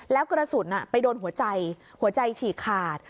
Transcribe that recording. แล้วกระสุนไปโดนหัวใจหัวใจฉีกขาด